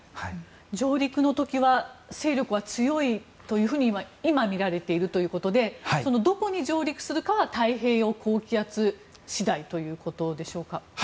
上陸の時は勢力は強いと今はみられているということでどこに上陸するかは太平洋高気圧次第ということでしょうか。